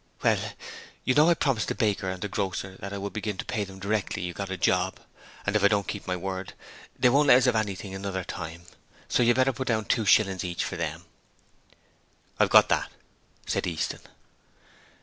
'Well, you know I promised the baker and the grocer that I would begin to pay them directly you got a job, and if I don't keep my word they won't let us have anything another time, so you'd better put down two shillings each for them. 'I've got that,' said Easton.